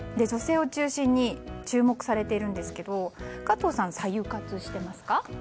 女性を中心に注目されているんですけど加藤さん、白湯活していますか？